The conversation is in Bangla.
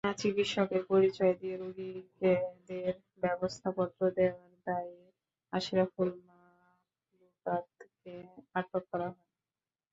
চিকিৎসকের পরিচয় দিয়ে রোগীদের ব্যবস্থাপত্র দেওয়ার দায়ে আশরাফুল মাখলুকাতকে আটক করা হয়।